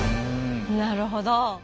なるほど。